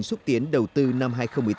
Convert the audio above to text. xúc tiến đầu tư năm hai nghìn một mươi tám